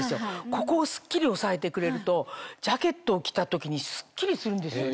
ここをスッキリおさえてくれるとジャケットを着た時にスッキリするんですよね。